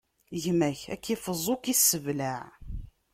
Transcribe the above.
Gma-k ad k-iffeẓ, ur k-isseblaɛ.